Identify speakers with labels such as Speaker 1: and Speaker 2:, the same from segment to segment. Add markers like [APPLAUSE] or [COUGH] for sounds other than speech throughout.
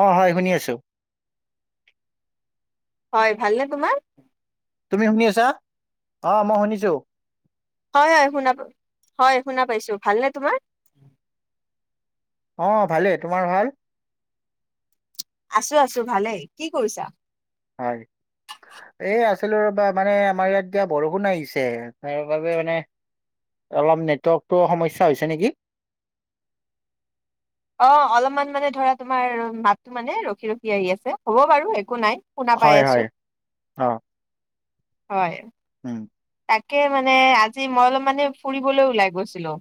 Speaker 1: অ হয় শুনি আছোঁ।
Speaker 2: হয় ভালনে তোমাৰ?
Speaker 1: তুমি শুনি আছা? অ মই শুনিছো।
Speaker 2: হয় হয় শুনা হয় শুনা পাইছো। ভালনে তোমাৰ?
Speaker 1: অ ভালেই। তোমাৰ ভাল?
Speaker 2: আছো আছো ভালেই। কি কৰিছা?
Speaker 1: হয়। এই আছিলো ৰবা মানে আমাৰ ইয়াত এতিয়া বৰষুণ আহিছে তাৰ বাবে মানে অলপ নেটৱৰ্কতটো সমস্যা হৈছে নেকি?
Speaker 2: অ অলপমান মানে ধৰা তোমাৰ মাতটো মানে ৰখি ৰখি আহি আছে হ'ব বাৰু, একো নাই। শুনা পাই
Speaker 1: হয় হয়
Speaker 2: আছো।
Speaker 1: অ
Speaker 2: হয়।
Speaker 1: উম।
Speaker 2: তাকে মানে আজি মই অলপ মানে ফুৰিবলৈ ওলাই গৈছিলোঁ।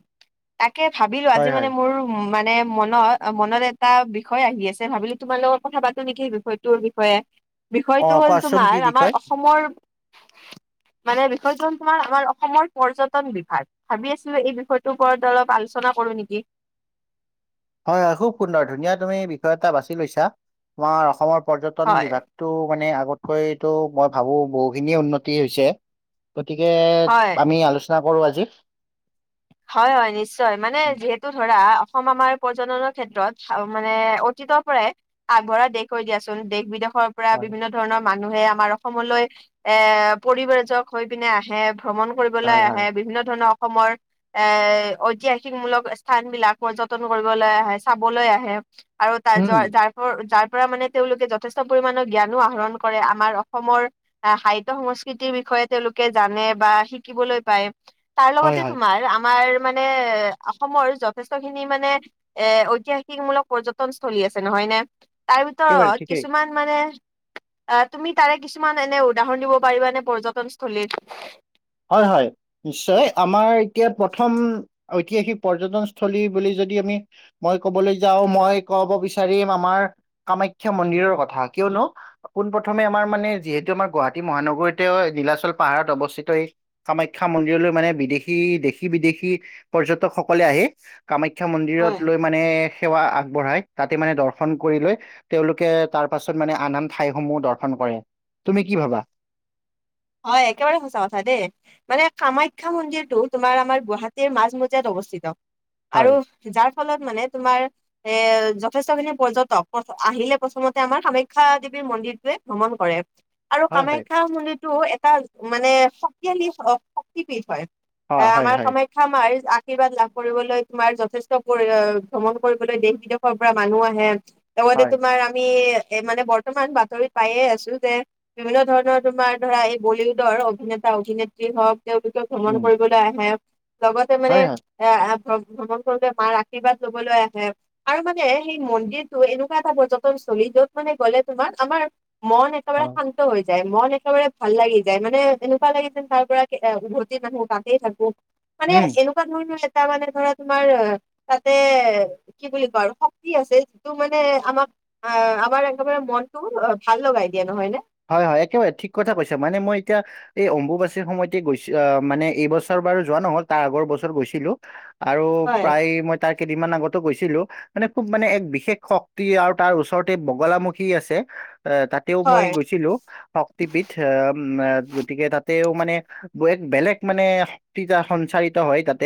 Speaker 2: তাকে ভাবিলো
Speaker 1: হয়
Speaker 2: আজি
Speaker 1: হয়
Speaker 2: মানে মোৰ উ মানে মনত মনত এটা বিষয় আহি আছে ভাবিলো তোমাৰ লগত কথা পাতো নেকি সেই বিষয়টোৰ বিষয়ে।
Speaker 1: অ
Speaker 2: বিষয়টো হ'ল
Speaker 1: কোৱাচোন
Speaker 2: তোমাৰ
Speaker 1: কি
Speaker 2: আমাৰ
Speaker 1: বিষয়
Speaker 2: অসমৰ মানে হয় জন তোমাৰ আমাৰ অসমৰ পৰ্যটন বিভাগ। ভাবি আছিলো এই বিষয়টোৰ ওপৰত অলপ আলোচনা কৰো নেকি।
Speaker 1: হয় হয় খুব সুন্দৰ ধুনীয়া তুমি বিষয় এটা বাছি লৈছা তোমাৰ অসমৰ পৰ্যটন
Speaker 2: হয়
Speaker 1: বিভাগ। টো মানে আগতকৈটো মই ভাবো বহুখিনিয়ে উন্নতি হৈছে। গতিকে
Speaker 2: হয়
Speaker 1: আমি আলোচনা কৰো আজি।
Speaker 2: হয় হয় নিশ্চয় মানে
Speaker 1: উম,
Speaker 2: যিহেতু ধৰা অসম আমাৰ পৰ্যটনৰ ক্ষেত্ৰত মানে অতীতৰ পৰাই আগবঢ়া দেশ হৈ দিয়াচোন, দেশ-বিদেশৰ পৰা
Speaker 1: হয়
Speaker 2: বিভিন্ন ধৰণৰ মানুহে আমাৰ অসমলৈ এ পৰিবজক হৈ পিনে আহে, ভ্ৰমণ কৰিবলৈ
Speaker 1: হয় হয়
Speaker 2: আহে বিভিন্ন ধৰণৰ অসমৰ এ ঐতিহাসিকমূলক স্থান বিলাক, পৰ্যতন কৰিবলৈ আহে, চাবলৈ আহে, আৰু তাৰ
Speaker 1: উম
Speaker 2: যাৰ যাৰ পৰা মানে তেওঁলোকে যথেষ্ট পৰিমণৰ জ্ঞানো আহৰণ কৰে, আমাৰ অসমৰ সাহিত্য সংস্কৃতিৰ বিষয়ে তেওঁলোকে জানে বা শিকিবলৈ পায়, তাৰ
Speaker 1: হয়
Speaker 2: লগতে
Speaker 1: হয়
Speaker 2: [UNINTELLIGIBLE] আমাৰ মানে অসমৰ যথেষ্ট খিনি মানে এ ঐতিহাসিকমূলক পৰ্যটনস্থলী আছে নহয় নে? তাৰ
Speaker 1: একেবাৰে
Speaker 2: ভিতৰত
Speaker 1: ঠিকেই
Speaker 2: কিছুমান মানে আ তুমি তাৰে কিছুমান এনে উদাহৰণ দিব পাৰিবা এনে পৰ্যটনস্থলীত?
Speaker 1: হয়', হয়',। নিশ্চয়, আমাৰ এতিয়া প্ৰথম ঐতিহাসিক পৰ্যটনস্থলী বুলি যদি আমি মই কবলৈ যাও, মই কব বিচাৰিম আমাৰ কামাখ্যা মন্দিৰৰ কথা কিয়নো পোনপ্ৰথমে আমাৰ মানে যিহেতু আমাৰ গুৱাহাটী মহানগৰীতেও নিলাচল পাহাৰত অৱস্থিত এই কামাখ্যা মন্দিৰলৈ মানে বিদেশী দেশী-বিদেশী পৰ্যটক সকলে আহি কামাখ্যা মন্দিৰত
Speaker 2: হয়,
Speaker 1: লৈ মানে সেৱা আগবঢ়ায়। তাতে মানে দৰ্শন কৰি লৈ তেওঁলোকে তাৰ পাছত মানে আন -আন ঠাইসমূহ দৰ্শন কৰে। তুমি কি ভাবা?
Speaker 2: হয় একেবাৰে সঁচা কথা দে। মানে কামাখ্যা মন্দিৰটো তোমাৰ আমাৰ গুৱাহাটীৰ মাজমজিয়াত অৱস্থিত
Speaker 1: হয়
Speaker 2: আৰু যাৰ ফলত মানে তোমাৰ এ যথেষ্ট খিনি পৰ্যটক, আহিলে প্ৰথমতে আমাৰ কামাখ্যা দেৱীৰ মন্দিৰটোৱে ভ্ৰমণ কৰে। আৰু
Speaker 1: হয় হয়
Speaker 2: কামাখ্যা মন্দিৰতো এটা মানে শক্তিশালী শক্তিপীঠ হয়।
Speaker 1: অ
Speaker 2: এ
Speaker 1: হয়
Speaker 2: আমাৰ
Speaker 1: হয়
Speaker 2: কামা মাখ্যা মাৰ আশীৰ্বাদ লাভ কৰিবলৈ তোমাৰ যথেষ্ট পৰি ভ্ৰমণ কৰিবলৈ দেশ বিদেশ ৰ পৰা মানুহ আহে, লগতে
Speaker 1: হয়
Speaker 2: তোমাৰ আমি এ মানে বৰ্তমান বাতৰিত পায়ে আছো, যে বিভিন্ন ধৰণৰ তোমাৰ ধৰা এই বলিউডৰ অভিনেতা, অভিনেত্ৰী হওক তেওঁলোকে ভ্ৰমণ কৰিবলৈ আহে। লগতে মানে এ ভ -ভ্ৰমণ কৰোতে মাৰ আৰ্শীৰ্বাদ লবলৈ আহে। আৰু মানে সেই মন্দিৰটো এনেকুৱা এটা পৰ্যটনস্থলী যত মানে গ'লে তোমাৰ আমাৰ মন এ একেবাৰে শান্ত হৈ যায়। মন একেবাৰে ভাল লাগি যায়, মানে এনেকুৱা লাগি যেন তাৰ পৰা এ উভতি নাহো, তাতে থাকো, মানে এনেক কোৱা ধৰণৰ এটা মানে ধৰা তোমাৰ তাতে কি বুলি কয় আৰু শক্তি আছে, যিটো মানে আমাক আ, আমাৰ একদম মনটো ভাল লগাই দিয়ে নহয় নে?
Speaker 1: হয়', হয়', একেবাৰে ঠিক কথা কৈছা, মানে মই এতিয়া এই অম্বুবাচীৰ সময়তে গৈছিল আহ মানে এইবছৰ বাৰু যোৱা নহল, তাৰ আগৰ বছৰ গৈছিলো। আৰু
Speaker 2: হয়
Speaker 1: প্ৰায় মই তাৰ কেইদিনমান আগতো গৈছিলো মানে খুব মানে এক বিশেষ শক্তি আৰু তাৰ ওচৰতে বগলামুখী আছে এ তাত তেও মই
Speaker 2: হয়
Speaker 1: গৈছিলো শক্তিপীঠ, এ গতিকে তাতেও মানে এক বেলেগ মানে শক্তিযা সঞ্চাৰিত হয় তাতে।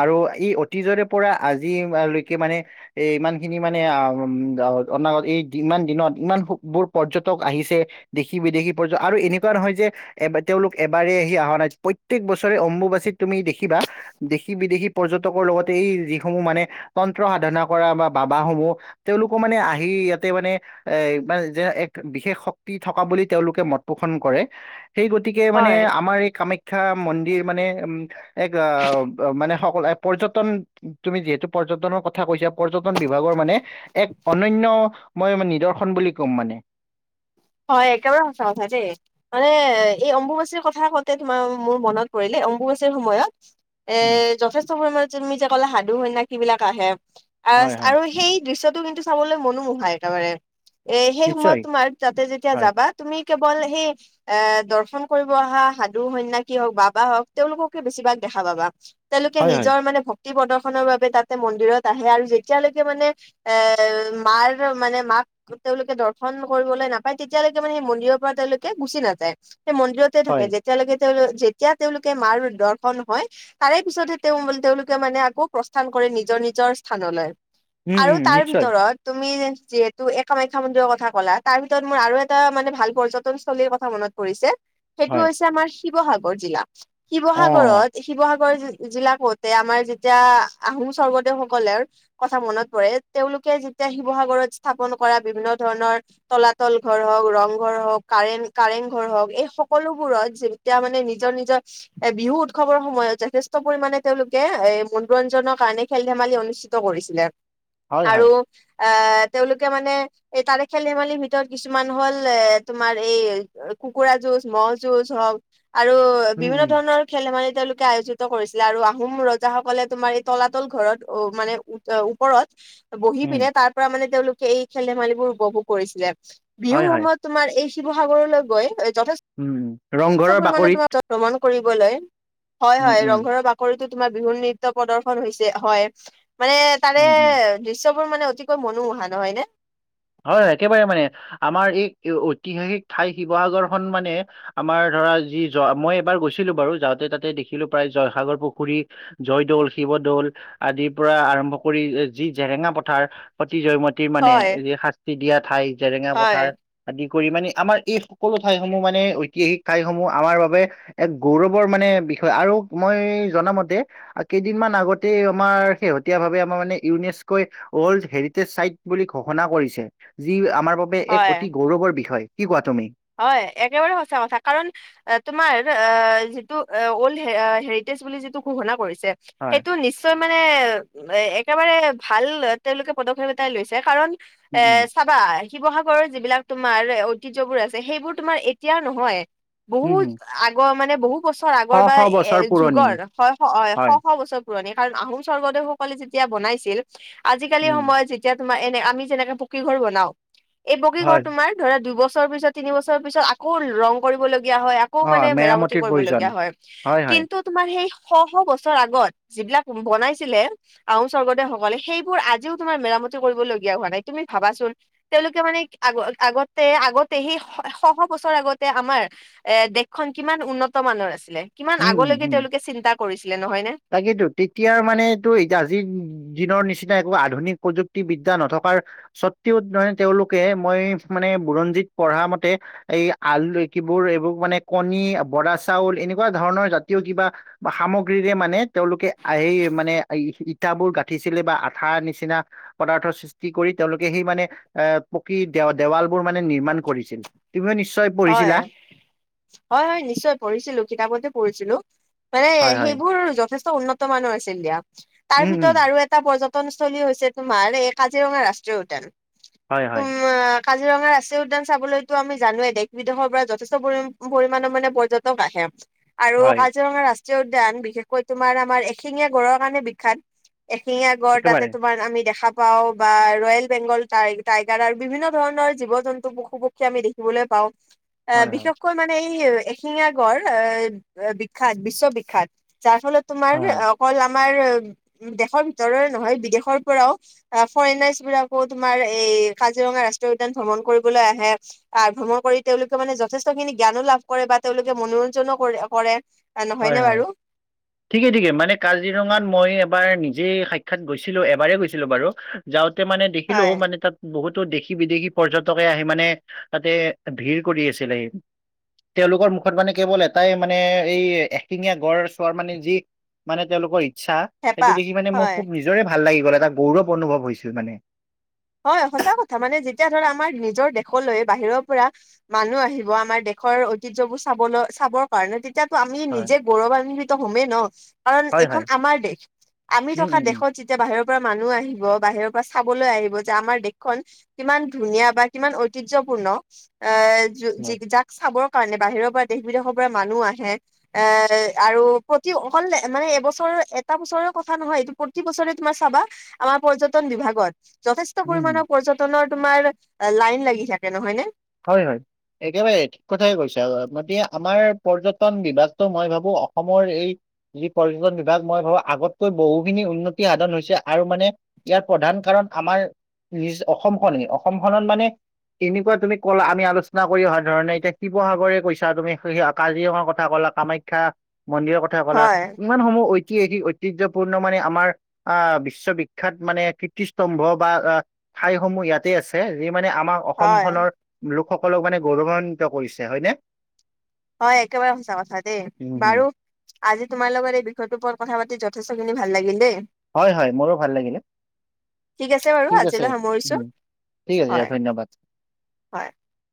Speaker 1: আৰু ই অতীজৰে পৰা আজি লৈকে মানে এ ইমান খিনি মানে আহ অনাগত এই ইমান দিনত, ইমানবোৰ পৰ্যটক আহিছে, দেশী-বিদেশী পৰ্য আৰু এনেকুৱা নহয় যে এব তেওঁলোক এবাৰ আহি অহা নাই, প্ৰত্যেক বছৰে অম্বুবাচিত তুমি দেখিবা দেশী, বিদেশী পৰ্যটকৰ লগতে এই যিসমূহ মানে তন্ত্ৰ সাধনা কৰা বা বাবা সমূহ তেওঁলোকো মানে আহি ইয়াতে মানে এ মানে যে এক বিশেষ শ পি থকা বুলি তেওঁলোকে মত পোষণ কৰে সেই গতিকে মানে
Speaker 2: হয়
Speaker 1: আমাৰ এই কামা শিক্ষা মন্দিৰ মানে উম এক আহ মানে সকলো পৰ্যটন তুমি যিহেতু পৰ্যটনৰ কথা কৈছা পৰ্যটন বিভাগৰ মানে এক অনন্য মই নিদৰ্শন বুলি কম মানে।
Speaker 2: হয়, একেবাৰে সঁচা কথা দেই। মানে এই অম্বুবাচীৰ কথা কওঁতে তোমাৰ মোৰ মনত পৰিলে অম্বুবাচীৰ সময়ত এ
Speaker 1: উম
Speaker 2: যথেষ্ট পৰিমাণে তুমি যে কলা সাধু, সন্যাসী বিলাক আহে। আ
Speaker 1: হয়
Speaker 2: আৰু
Speaker 1: হয়
Speaker 2: সেই দৃশ্যটো কিন্তু চাবলৈ মনোমোহা একেবাৰে এ সেই সময়ত
Speaker 1: নিশ্চয়
Speaker 2: তোমাৰ তাতে যেতিয়া
Speaker 1: হয়
Speaker 2: যাবা তুমি কেৱল সেই এ দৰ্শন কৰিব আহা সাধু সন্ন্যাসী হওক বাবা হওক তেওঁলোককে বেছিভাগ দেখা পাবা। তেওঁলোকে
Speaker 1: হয় হয়
Speaker 2: নিজৰ মানে ভক্তি প্ৰদৰ্শনৰ বাবে তাতে মন্দিৰত আহে আৰু যেতিয়ালৈকে মানে এ মাৰ মানে মাক তেওঁলোকে দৰ্শন কৰিবলে নাপায় তেতিয়ালৈকে মানে সেই মন্দিৰৰ পৰা তেওঁলোকে গুচি নযায়, সেই মন্দিৰতে থাকে
Speaker 1: হয়
Speaker 2: যে তিয়া তেওঁলোকে তেওঁলো যেতিয়া তেওঁলোকে মাৰ দৰ্শন হয়। তাৰে পিছতহে তেওঁ তেওঁলোকে মানে আকৌ প্ৰস্থান কৰে নিজৰ নিজৰ স্থানলৈ।
Speaker 1: উম
Speaker 2: আৰু
Speaker 1: উম
Speaker 2: তাৰ
Speaker 1: নিশ্চয়
Speaker 2: ভিতৰত তুমি যিহেতু এ কামাখ্যা মন্দিৰৰ কথা ক'লা তাৰ ভিতৰত মোৰ আৰু এটা মানে ভাল পৰ্যটনস্থলীৰ কথা মনত পৰিছে সেইটো
Speaker 1: হয়
Speaker 2: হৈছে আমাৰ শিৱসাগৰ জিলা
Speaker 1: অ
Speaker 2: শিৱসাগৰত শিৱসাগৰ জিলা কওঁতে আমাৰ যেতিয়া আহোম স্বৰ্গদেউসকলৰ কথা মনত পৰে তেওঁলোকে যেতিয়া শিৱসাগৰত স্থাপন কৰা বিভিন্ন ধৰণৰ তলাতল ঘৰ হওঁক, ৰং ঘৰ হওক, কাৰেন কাৰেং ঘৰ হওক এই সকলোবোৰত যে তিয়া মানে নিজৰ নিজৰ এ বিহু উৎসৱৰ সময়ত যথেষ্ট পৰিমানে তেওঁলোকে এ মনোৰঞ্জনৰ কাৰণে খেল ধেমালি অনুষ্ঠি- ত কৰিছিলে
Speaker 1: হয়
Speaker 2: আৰু
Speaker 1: হয়
Speaker 2: এ তেওঁলোকে মানে এই তাৰে খেল ধেমালি- ভিতৰত কিছুমান হ'ল এ তোমাৰ এই কুকুৰা যুঁজ, ম'হ যুঁজ হওক আৰু
Speaker 1: উম
Speaker 2: বিভিন্ন
Speaker 1: উম
Speaker 2: ধৰণৰ খেল ধেমালি তেওঁলোকে আয়োজিত কৰিছিলে আৰু আহোম ৰজাসকলে তোমাৰ এই তলাতল ঘৰত অ মানে ওত ত ওত ওপৰত বহি
Speaker 1: উম
Speaker 2: পিনে তাৰ পৰা মানে তেওঁলোকে এই খেল ধেমালিবোৰ উপভোগ কৰিছিলে।
Speaker 1: হয়
Speaker 2: বিহুৰ
Speaker 1: হয়
Speaker 2: সময়ত তোমাৰ এই শিৱসাগৰলৈ গৈ যথে-
Speaker 1: উম উ ৰংঘৰৰ বাকৰিত
Speaker 2: ভ্ৰমণ কৰিবলৈ হয়
Speaker 1: উম
Speaker 2: হয়
Speaker 1: উম
Speaker 2: ৰংঘৰৰ বা- কৰিতো তোমাৰ বিহু নৃত্যৰ প্ৰদৰ্শন হৈছে হয় মানে তাৰে
Speaker 1: উম উম
Speaker 2: দৃশ্যবোৰ মানে অতিকৈ মনোমোহা নহয় নে?
Speaker 1: হয় হয় একেবাৰে মানে আমাৰ এই ঐতিহাসিক ঠাই শিৱসাগৰখন মানে আমাৰ ধৰা যি মই এবাৰ গৈছিলো বাৰু যাওঁতে তাতে দেখিলো প্ৰায় জয়সাগৰ পুখুৰী জয়দৌল শিৱদৌল আদিৰ পৰা আৰম্ভ কৰি যি জেৰেঙা পথাৰ সতী জয়ম তী মানে
Speaker 2: হয়
Speaker 1: এই শাস্তি দিয়া ঠাই জেৰেঙা
Speaker 2: হয়
Speaker 1: পথাৰ আদি কৰি মানে আমাৰ এই সকলো ঠাইসমূহ মানে ঐতিহাসিক ঠাইসমূহ আমাৰ বাবে এক গৌৰৱৰ মানে বিষয় আৰু মই জনামতে আৰু কেইদিনমান আগতেই আমাৰ শেহতীয়া ভাৱে আমাৰ মানে ইউনেস্কই ৱল্ড হেৰিটেজ চাইট বুলি ঘোষণা কৰিছে। যি আমাৰ বাবে এক
Speaker 2: হয়।
Speaker 1: অতি গৌৰৱৰ বিষয় কি কোৱা তুমি?
Speaker 2: হয় একেবাৰে সঁচা কথা কাৰণ এ তোমাৰ এ যিটো ৱল্ড হেৰিটেজ বুলি যিটো ঘোষণা কৰিছে।
Speaker 1: হয়
Speaker 2: সেইটো নিশ্চয় মানে একেবাৰে ভাল তেওঁলোকে পদক্ষেপ এটাই লৈছে কাৰণ এ
Speaker 1: উম উম
Speaker 2: চাবা শিৱসাগৰৰ যিবিলাক তোমাৰ ঐতিহ্যবোৰ আছে। সেইবোৰ তোমাৰ এতিয়া নহয়
Speaker 1: উম
Speaker 2: বহুত
Speaker 1: হম
Speaker 2: আগৰ মানে বহুত বছৰ
Speaker 1: শ
Speaker 2: আগৰ বা
Speaker 1: শ বছৰ
Speaker 2: এ
Speaker 1: পুৰণি
Speaker 2: যুগৰ হয় হয় শ শ বছ পুৰণিকাল আহোম স্বৰ্গদেউসকলে যেতিয়া বনাইছিল, আজিকালি
Speaker 1: উম
Speaker 2: সময়ত যে যেতিয়া তোমাৰ এনে আমি যেনেকে পকী ঘৰ বনাও, এই পকী ঘৰ
Speaker 1: হয়
Speaker 2: তোমাৰ ধৰা দুইবছৰ পিছত তিনি বছৰৰ পিছত আকৌ ৰং কৰিবলগীয়া হয় আকৌ
Speaker 1: অ
Speaker 2: মানে মেৰামতি
Speaker 1: মেৰামতিৰ প্ৰয়োজন
Speaker 2: কৰিবলগীয়া হয়
Speaker 1: হয় হয়
Speaker 2: কিন্তু তোমাৰ সেই শ শ বছৰ আগত যিবিলাক বনাইছিলে আহোম স্বৰ্গদেউসকলে সেইবোৰ আজিও তোমাৰ মেৰামতি কৰিবলগীয়া হোৱা নাই তুমি ভাবাচোন। তেওঁলোকে মানে আগ আগতে আগত সেই শ শ বছৰ আগতে আমাৰ এ দেশখন কিমান উন্নত মানৰ আছিলে। কিমান
Speaker 1: উম উম
Speaker 2: আগলৈকে
Speaker 1: উম
Speaker 2: তেওঁলোকে চিন্তা কৰিছিলে নহয় নে?
Speaker 1: তাকেইতো তেতিয়া মানে এইটো আজি দিনৰ নিচিনা একো আধুনিক প্ৰযুক্তিবিদ্যা নথকাৰ সত্বেও মানে তেওঁলোকে মই মানে বুৰঞ্জীত পঢ়া মতে এই আল ৰৈকিবোৰ এইবোৰ মানে কণী, বৰা চাউল এনেকুৱা ধৰণৰ জাতীয় কিবা বা সামগ্ৰীৰে মানে তেওঁলোকে আহ সেই মানে ই -ইটাবোৰ গাঁঠিছিলে বা আঠাৰ নিচিনা পদাৰ্থ সৃষ্টি কৰি তেওঁলোকে সেই মানে এ পকী দে -দেৱালবোৰ মানে নিৰ্মাণ কৰিছিল। তুমি নিশ্চয়
Speaker 2: হয়,
Speaker 1: পঢ়িছিলা
Speaker 2: হয় হয় নিশ্চয় পঢ়িছিলো কিতাপতে পঢ়িছিলো। মানে
Speaker 1: হয় হয়
Speaker 2: সেইবোৰ যথেষ্ট উন্নত মানৰ আছিল দিয়া, তাৰ
Speaker 1: উম উম
Speaker 2: ভিতৰত আৰু এ টা পৰ্যটনস্থলী হৈছে তোমাৰ এই কাজিৰঙা ৰাষ্ট্ৰীয় উদ্যান।
Speaker 1: হয় হয়
Speaker 2: তোমক কাজিৰঙা ৰাষ্ট্ৰীয় উদ্যান চাবলৈতো আমি জানোৱে দেশ বিদেশৰ পৰা যথেষ্ট পৰি পৰিমাণৰ মানে পৰ্যটক আহে আৰু
Speaker 1: হয়
Speaker 2: কাজিৰঙা ৰা ট্ৰীয় উদ্যান বিশেষকৈ তোমাৰ আমাৰ এশিঙীয়া গড়ৰ কাৰণে বিখ্যাত। এশিঙীয়া গড় তাতে
Speaker 1: একেবাৰে
Speaker 2: তোমাৰ আমি দেখা পাও বা ৰয়েল বেংগল টাই টাইগাৰাৰ বিভিন্ন ধৰণৰ জীৱ - জন্তু, পশু - পক্ষী আমি দেখিবলৈ পাওঁ। অ
Speaker 1: হয় হয় হয়
Speaker 2: বিশেষকৈ মানে এই এ শিঙীয়া গড় এ বিখ্যাত বিশ্ববিখ্যাত, যাৰ ফলত তোমাৰ
Speaker 1: হয়
Speaker 2: অ কল আমাৰ দেশৰ ভিতৰৰে নহয় বিদেশৰ পৰাও আহ ফৰেইনাৰ্চ বিলাকো তোমাৰ এই কাজিৰঙা ৰাষ্ট্ৰীয় উদ্যান ভ্ৰমণ কৰিবলৈ আহে। আৰ ভ্ৰমণ কৰি তেওঁলোকে মানে যথেষ্টখিনি জ্ঞানো লাভ কৰে বা তেওঁলোকে মনোৰঞ্জনো কৰে কৰে।
Speaker 1: হয়
Speaker 2: নহয়নে
Speaker 1: হয়।
Speaker 2: বাৰু
Speaker 1: ঠিকে ঠিকে মানে কাজিৰঙাত মই এবাৰ নিজেই সাক্ষাৎ গৈছিলো এবাৰেই গৈছিলো বাৰু। যাওঁতে মানে দেখিলো
Speaker 2: হয়
Speaker 1: মানে তাত বহুতো দেশী - বিদেশী পৰ্যটকে আহি মানে তাতে ভিৰ কৰি আছিলে। তেওঁলোকৰ মুখত মানে কেৱল এটাই মানে এই এশিঙীয়া গড় চোৱাৰ মানে যি মানে তেওঁলোকৰ ইচ্ছা,
Speaker 2: হেঁপাহ
Speaker 1: সেইটো দেখি মানে মোৰ
Speaker 2: হয়
Speaker 1: খুব নিজ নিজৰে ভাল লাগি গল এটা গৌৰৱ অনুভৱ হৈছিল মানে।
Speaker 2: হয় সঁচা কথা মানে যেতিয়া ধৰা আমাৰ নিজৰ দেশলৈ বাহিৰৰ পৰা মানুহ আহিব আমাৰ দেশৰ ঐতিহ্যবোৰ চাবলৈ চাবৰ কাৰণে তে তিয়া আমি
Speaker 1: হয়
Speaker 2: নিজে গৌৰৱান্বিত হমেই ন কাৰণ
Speaker 1: হয়
Speaker 2: এইখন
Speaker 1: হয়
Speaker 2: আমাৰ দেশ, আমি
Speaker 1: উম
Speaker 2: থকা
Speaker 1: উম
Speaker 2: দেশত যেতিয়া বাহিৰৰ পৰা মানুহ আহিব, বাহিৰৰ পৰা চাবলৈ আহিব যে আমাৰ দেশখন কিমান ধুনীয়া বা কিমান ঐতিহ্যপূৰ্ণ, এ
Speaker 1: উম
Speaker 2: যি
Speaker 1: হয়
Speaker 2: যাক চাবৰ কাৰণে বাহিৰৰ পৰা দেশ - বিদেশৰ পৰা মানুহ আহে। এ আৰু প্ৰতি অকল মানে এবছৰৰ এটা বছৰৰ কথা নহয় এইটো প্ৰতি বছৰে তোমাৰ চাবা আমাৰ পৰ্যটন বিভাগত যথেচ ট
Speaker 1: উম
Speaker 2: পৰিমাণৰ পৰ্যটনৰ তোমাৰ লাইন লাগি থাকে নহয় নে?
Speaker 1: হয় হয়। একেবাৰে ঠিক কথাই কৈছে গতিকে আমাৰ পৰ্যটন বিভাগটো মই ভাবো অসমৰ এই যি পৰ্যটন বিভাগ মই ভাবো আগতকৈ বহুখিনি উন্নতি সাধন হৈছে আৰু মানে ইয়াৰ প্ৰধান কাৰণ আমাৰ নিজ অসমখনেই, অসমখনত মানে তেনেকুৱা তুমি কলা আমি আলচনা অহা ধৰণে এতিয়া শিৱসাগৰে কৈছা তুমি সেই কাজিৰঙাৰ কথা ক'লা, কামাখ্যা মন্দিৰৰ কথা কলা,
Speaker 2: হয়,
Speaker 1: ইমানসমূহ ঐতিহাসিক ঐতিহ্যপূৰ্ণ মানে আমাৰ আ বিশ্ববিখ্যাত মানে কীৰ্ত্তিস্তম্ভ বা আ ঠাইসমূহ ইয়াতে আছে যি মানে আমাৰ অসম
Speaker 2: হয়,
Speaker 1: খনৰ লোকসকলক মানে গৌৰৱান্বিত কৰিছে হয়নে?
Speaker 2: হয় একেবাৰে সঁচা কথা দেই
Speaker 1: উম, হুম।
Speaker 2: বাৰু। আজি তোমাৰ লগৰ এই বিষয়টোৰ ওপৰত কথা পাতি যথেষ্টখিনি ভাল লাগিল দেই।
Speaker 1: হয় হয় মোৰো ভাল লাগিলে।
Speaker 2: আছে বাৰু
Speaker 1: ঠিক আছে,
Speaker 2: আজিলৈ সামৰিছো
Speaker 1: উম ঠিক আছে
Speaker 2: হয়,
Speaker 1: ধন্যবাদ।
Speaker 2: হয়।